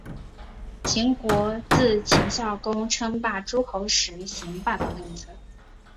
秦国自秦孝公称霸诸候时行霸道政策。